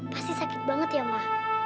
pasti sakit banget ya mak